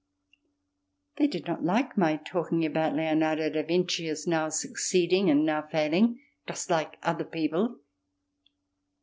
They did not like my talking about Leonardo Da Vinci as now succeeding and now failing, just like other people.